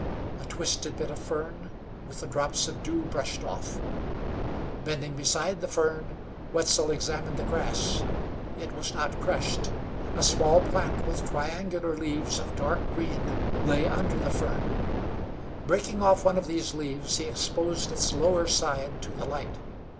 A twisted bit of fern, with the drops of dew brushed off. Bending beside the fern, Wetzel examined the grass; it was not crushed. A small plant with triangular leaves of dark green, lay under the fern. Breaking off one of these leaves, he exposed its lower side to the light.